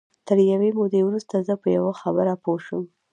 تر یوې مودې وروسته زه په یوه خبره پوه شوم